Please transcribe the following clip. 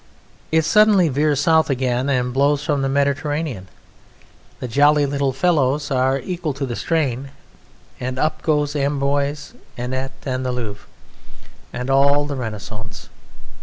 It suddenly veers south again and blows from the Mediterranean. The jolly little fellows are equal to the strain, and up goes Amboise, and Anet, and the Louvre, and all the Renaissance.